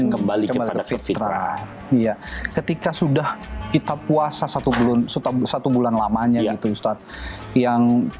kembali ke filipina iya ketika sudah kita puasa satupun sobat ustadz satu bulan lamanya viv grade yang